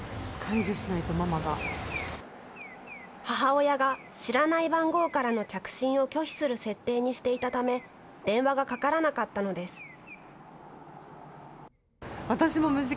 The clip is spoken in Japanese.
母親が知らない番号からの着信を拒否する設定にしていたため電話がかからなかったのです。